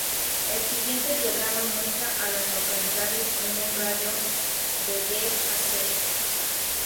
El siguiente diagrama muestra a las localidades en un radio de de Hassell.